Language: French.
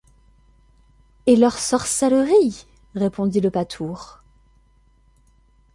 Et leurs sorcelleries?... répondit le pâtour.